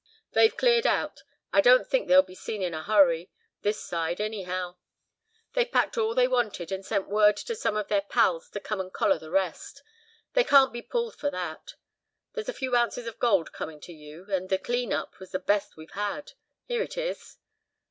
"They've cleared out. I don't think they'll be seen in a hurry, this side anyhow. They've packed all they wanted, and sent word to some of their pals to come and collar the rest. They can't be pulled for that. There's a few ounces of gold coming to you, and the 'clean up' was the best we've had. Here it is."